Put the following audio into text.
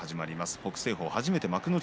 北青鵬は初めての幕内。